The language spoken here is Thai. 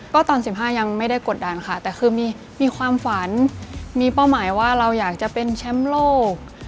ก็ตอน๑๕ยังไม่ได้กดดันค่ะแต่คือมีความฝันมีเป้าหมายว่าเราอยากจะเป็นแชมป์โลก